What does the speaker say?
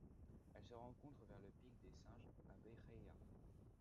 Elle se rencontre vers le pic des Singes à Béjaïa.